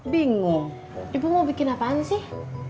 bingung ibu mau bikin apaan sih